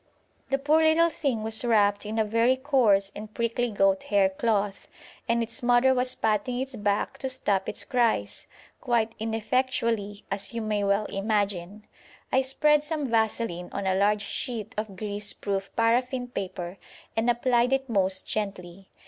The poor little thing was wrapped in a very coarse and prickly goat hair cloth, and its mother was patting its back to stop its cries, quite ineffectually, as you may well imagine. I spread some vaseline on a large sheet of grease proof paraffin paper and applied it most gently.